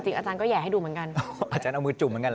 จริงอาจารย์ก็แย่ให้ดูเหมือนกัน